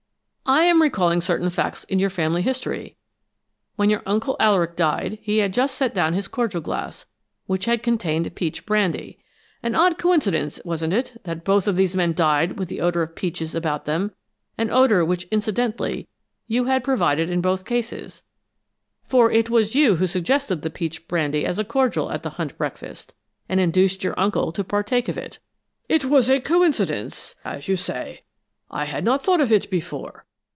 "I am recalling certain facts in your family history. When your Uncle Alaric died, he had just set down his cordial glass, which had contained peach brandy. An odd coincidence, wasn't it, that both of these men died with the odor of peaches about them, an odor which incidentally you had provided in both cases, for it was you who suggested the peach brandy as a cordial at the hunt breakfast, and induced your uncle to partake of it." "It was a coincidence, as you say. I had not thought of it before."